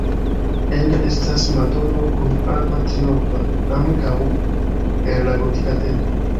Ene estas madono kun Anna Triopa, ankaŭ el la gotika tempo.